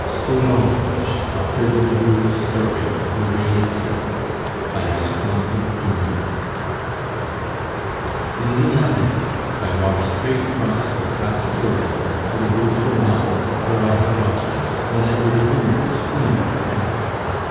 SOLANGE DR. LEDRU'S STORY OF THE REIGN OF TERROR BY ALEXANDRE DUMAS Leaving l'Abbaye, I walked straight across the Place Turenne to the Rue Tournon, where I had lodgings, when I heard a woman scream for help.